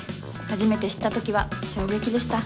初めて知った時は衝撃でした。